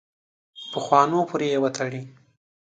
پخوانو پورې وتړي.